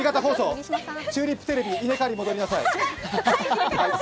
チューリップテレビ、稲刈りに戻りなさい。